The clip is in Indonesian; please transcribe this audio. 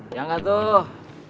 iya nggak tuh